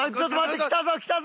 来たぞ来たぞ！